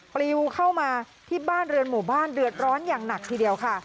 ปลิวเข้ามาที่บ้านเรือนหมู่บ้านเดือดร้อนอย่างหนักทีเดียวค่ะ